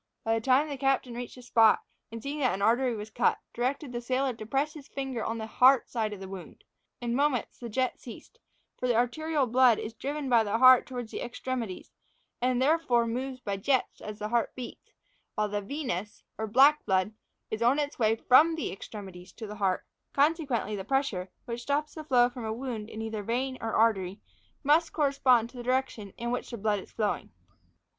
By this time the captain reached the spot, and seeing that an artery was cut, directed the sailor to press with his finger on the heart side of the wound. In a moment the jets ceased; for the arterial blood is driven by the heart towards the extremities, and therefore moves by jets as the heart beats, while the venous, or black blood, is on its way from the extremities to the heart; consequently, the pressure, which stops the flow from a wound in either vein or artery, must correspond to the direction in which the blood is flowing.